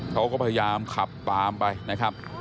เขาก็พยายามขับตามไปนะครับ